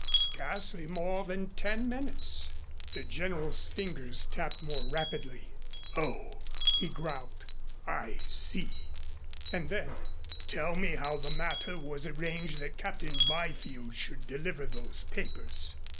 "Scarcely more than ten minutes." The General's fingers tapped more rapidly. "Oh," he growled, "I see." And then, "Tell me how the matter was arranged that Captain Byfield should deliver those papers."